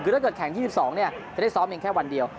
คือถ้าเกิดแข่ง๒๒ธนวาคมจะได้ซ้อมอีกแค่วันเดียว